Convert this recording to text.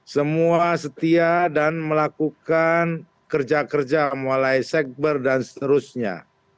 semua setia dan melakukan kerja kerja mulai sekber dan seterusnya